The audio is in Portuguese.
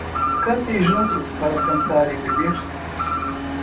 Cantem juntos para cantar e beber